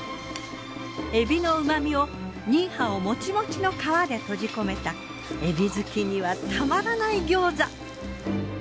エビの旨みをニーハオもちもちの皮で閉じ込めたエビ好きにはたまらない餃子。